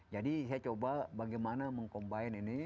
jadi saya coba bagaimana mengkombinasi ini